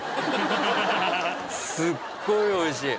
すっごいおいしい。